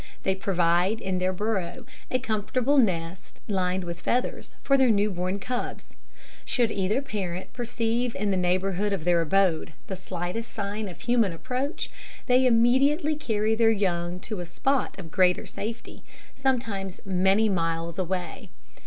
They provide, in their burrow, a comfortable nest, lined with feathers, for their new born cubs. Should either parent perceive in the neighbourhood of their abode the slightest sign of human approach, they immediately carry their young to a spot of greater safety, sometimes many miles away.